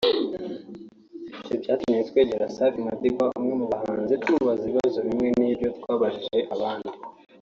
Ibi byatumye twegera Safi Madiba umwe mu bagize iri tsinda tumubaza ibibazo bimwe n'ibyo twabajije abandi